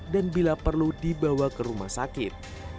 dan bila perlu dibawa ke rumah sakit